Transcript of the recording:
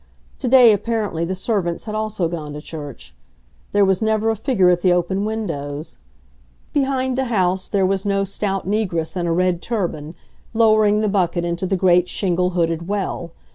Today, apparently, the servants had also gone to church; there was never a figure at the open windows; behind the house there was no stout negress in a red turban, lowering the bucket into the great shingle hooded well.